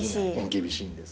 厳しいんです。